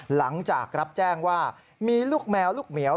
หลังจากรับแจ้งว่ามีลูกแมวลูกเหมียว